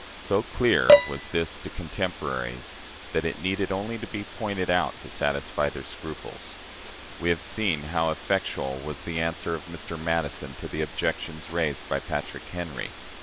So clear was this to contemporaries, that it needed only to be pointed out to satisfy their scruples. We have seen how effectual was the answer of Mr. Madison to the objections raised by Patrick Henry.